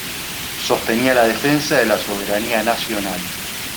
Sostenía la defensa de la soberanía nacional.